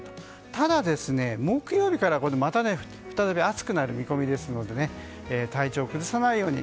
ただ、木曜日からまた再び暑くなる見込みですので体調を崩さないように。